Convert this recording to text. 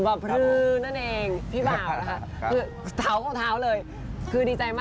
ก็รออยู่นะเนี่ย